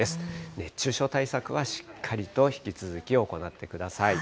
熱中症対策はしっかりと引き続き行ってください。